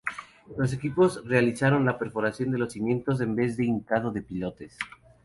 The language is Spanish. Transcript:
Los equipos realizaron la perforación de los cimientos en vez de hincado de pilotes.